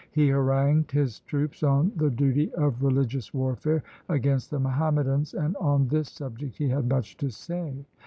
He harangued his troops on the duty of religious warfare against the Muhammadans, and on this subject he had much to say.